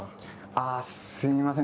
あすみません。